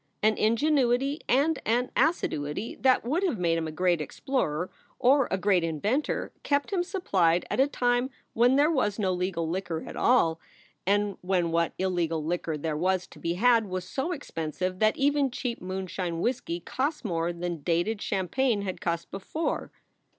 An in genuity and an assiduity that would have made him a great explorer or a great inventor kept him supplied at a time when there was no legal liquor at all, and when what illegal liquor there was to be had was so expensive that even cheap moonshine whisky cost more than dated champagne had cost before.